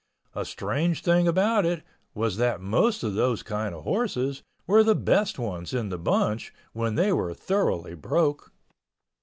A strange thing about it was that most of those kind of horses were the best ones in the bunch when they were thoroughly broke.